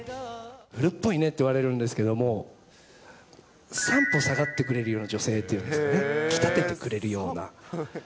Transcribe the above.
古っぽいねって言われるんですけど、三歩下がってくれるような女性っていうんですかね、引き立ててくれるような。